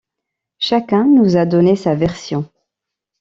Chacun nous a donné sa version.